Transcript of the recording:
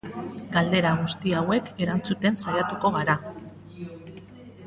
Galdera guzti hauek erantzuten saiatuko gara.